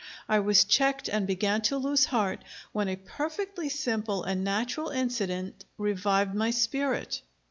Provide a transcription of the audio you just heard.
I was checked, and began to lose heart, when a perfectly simple and natural incident revived my spirit....